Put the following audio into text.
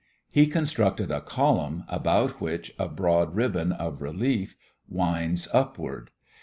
He constructed a column about which a broad ribband of relief winds upward.